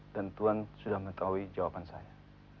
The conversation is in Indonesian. dan tuan sudah mengetahui jawaban saya